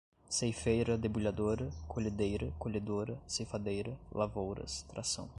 ceifeira debulhadora, colhedeira, colhedora, ceifadeira, lavouras, tração